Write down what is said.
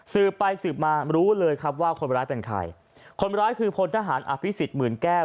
สืบไปสืบมารู้เลยครับว่าคนร้ายเป็นใครคนร้ายคือพลทหารอภิษฎหมื่นแก้ว